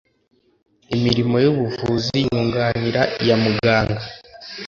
imirimo y’ ubuvuzi yunganira iya muganga